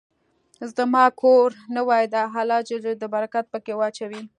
زما کور نوې ده، الله ج د برکت په کي واچوی